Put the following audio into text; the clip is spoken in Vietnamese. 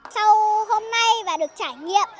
sau hôm nay và được trải nghiệm